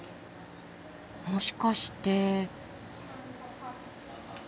もしかして。